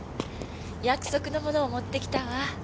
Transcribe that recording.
約束のものを持ってきたわ。